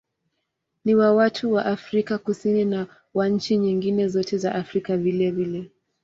Ni wa watu wa Afrika Kusini na wa nchi nyingine zote za Afrika vilevile.